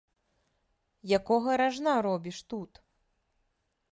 Якога ражна робіш тут?